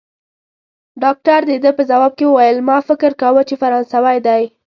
ډاکټر د ده په ځواب کې وویل: ما فکر کاوه، چي فرانسوی دی.